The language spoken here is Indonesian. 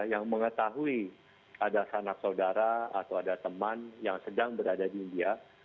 yang mengetahui ada sanak saudara atau ada teman yang sedang berada di india